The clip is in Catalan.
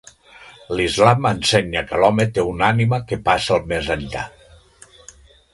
L'islam ensenya que l'home té una ànima que passa al més enllà.